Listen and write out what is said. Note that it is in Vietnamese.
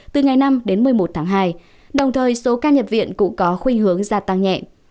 từ ngày năm đến một mươi một tháng hai đồng thời số ca nhập viện cũng có khuyên hướng gia tăng nhẹ